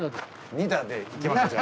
２打でいきますじゃあ。